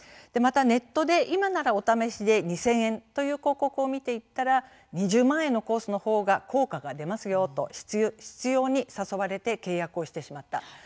またネットで今ならお試しで２０００円という広告を見て行ったら２０万円のコースのほうが効果が出ますよと執ように誘われ契約をしてしまった。